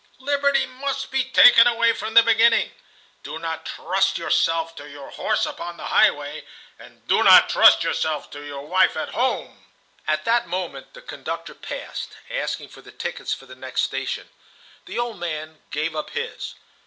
Liberty must be taken away from the beginning. Do not trust yourself to your horse upon the highway. Do not trust yourself to your wife at home." At that moment the conductor passed, asking for the tickets for the next station. The old man gave up his.